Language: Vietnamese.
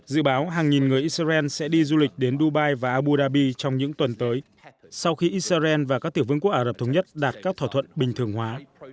dự báo hàng nghìn người israel sẽ đi du lịch đến dubai và abu dhabi trong những tuần tới sau khi israel và các tiểu vương quốc ả rập thống nhất đạt các thỏa thuận bình thường hóa